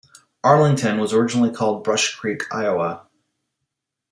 Arlington was originally called Brush Creek, Iowa.